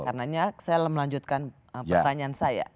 karena saya melanjutkan pertanyaan saya